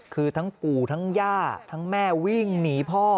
คือทั้งปู่ทั้งย่าทั้งแม่วิ่งหนีพ่อ